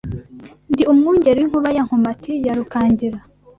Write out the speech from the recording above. Ndi umwungeri w’inkuba Ya Nkomati ya Rukangira